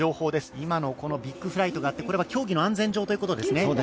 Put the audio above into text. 今のビッグフライトがあって、競技の安全上ということですね。